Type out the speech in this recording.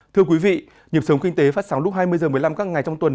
thưa quý vị nhịp sống kinh tế phát sóng lúc hai mươi h một mươi năm các ngày trong tuần